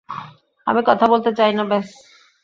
আমি কথা বলতে চাই না, ব্যস!